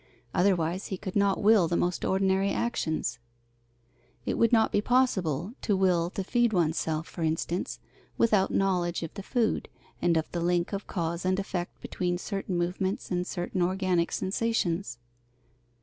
Otherwise he could not will the most ordinary actions. It would not be possible to will to feed oneself, for instance, without knowledge of the food, and of the link of cause and effect between certain movements and certain organic sensations.